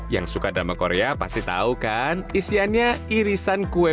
yang suka drama korea pasti tahu kan isiannya irisan kue